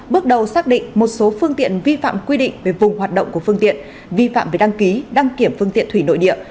bước đầu xác định một số phương tiện vi phạm quy định về vùng hoạt động của phương tiện vi phạm về đăng ký đăng kiểm phương tiện thủy nội địa